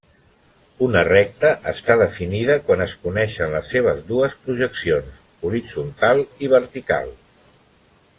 Una recta està definida quan es coneixen les seves dues projeccions, horitzontal i vertical.